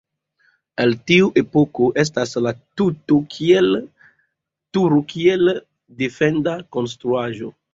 El tiu epoko estas la turo kiel defenda konstruaĵo.